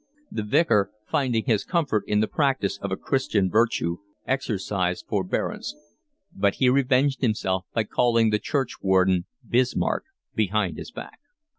The Vicar, finding his comfort in the practice of a Christian virtue, exercised forbearance; but he revenged himself by calling the churchwarden Bismarck behind his back.